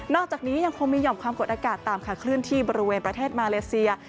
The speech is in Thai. นอกจากนี้ยังคงมีความกดอากาศตามคลื่นที่บริเวณประเทศมาเลเซีย